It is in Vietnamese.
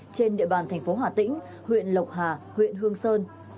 trên địa bàn thành phố hà tĩnh huyện lộc hà huyện hương sơn